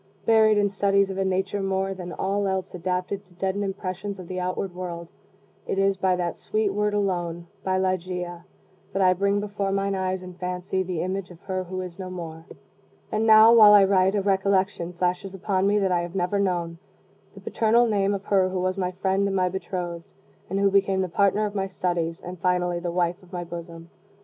Buried in studies of a nature more than all else adapted to deaden impressions of the outward world, it is by that sweet word alone by Ligeia that I bring before mine eyes in fancy the image of her who is no more. And now, while I write, a recollection flashes upon me that I have never known the paternal name of her who was my friend and my bethrothed, and who became the partner of my studies, and finally the wife of my bosom.